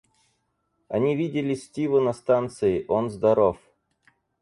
Они видели Стиву на станции, он здоров.